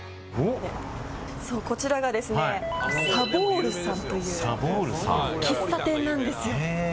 こちらが、さぼうるさんという喫茶店なんです。